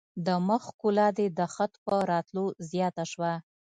د مخ ښکلا دي د خط په راتلو زیاته شوه.